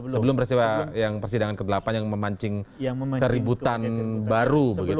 sebelum peristiwa yang persidangan ke delapan yang memancing keributan baru begitu